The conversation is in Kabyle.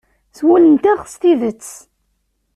S wul-nteɣ s tidet.